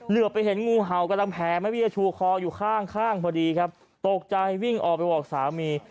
เหลือไปเห็นงูเห่ากำลังแผลแม่เบี้ยชูคออยู่ข้างข้างพอดีครับตกใจวิ่งออกไปบอกสามี